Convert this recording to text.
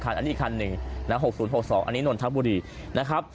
อันนี้อีกคันหนึ่งนะ๖๐๖๒อันนี้นนทบุรีนะครับ